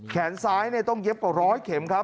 แขนซ้ายเนี่ยต้องเย็บกว่า๑๐๐เข็มครับ